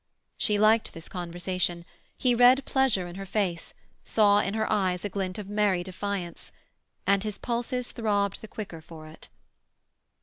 She liked this conversation; he read pleasure in her face, saw in her eyes a glint of merry defiance. And his pulses throbbed the quicker for it.